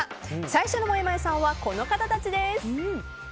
最初のもやもやさんはこの方たちです。